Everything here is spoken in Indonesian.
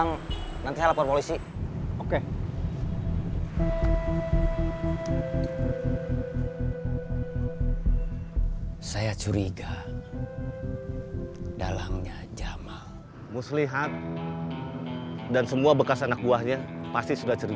gimana tempat muda ini